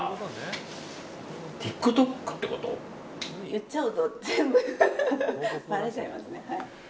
言っちゃうと全部ばれちゃいますね。